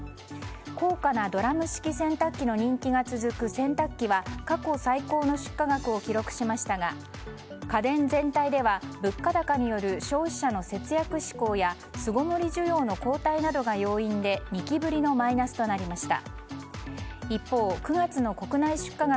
高価なドラム式洗濯機の人気が続く洗濯機は過去最高の出荷額を記録しましたが家電全体では、物価高による消費者の節約志向や巣ごもり需要の後退などが要因で２期ぶりのマイナスとなりました。